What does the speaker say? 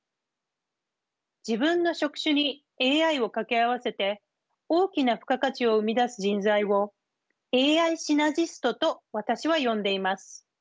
自分の職種にＡＩをかけ合わせて大きな付加価値を生み出す人材を「ＡＩシナジスト」と私は呼んでいます。